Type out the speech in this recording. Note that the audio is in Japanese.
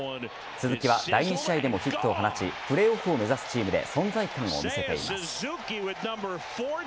鈴木は第２試合でもヒットを放ちプレーオフを目指すチームで存在感を見せています。